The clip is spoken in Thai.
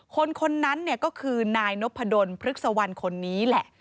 คนคนนั้นเนี่ยก็คือนายนพดลพฤกษวรรณคนนี้แหละ